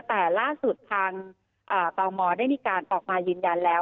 แต่ล่าสุดทางตมได้มีการออกมายืนยันแล้ว